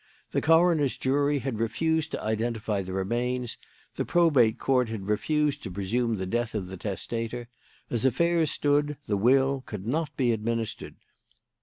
The coroner's jury had refused to identify the remains; the Probate Court had refused to presume the death of the testator. As affairs stood, the will could not be administered.